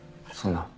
そんな。